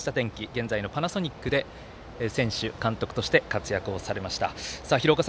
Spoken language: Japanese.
現在のパナソニックで選手、監督として活躍をされました。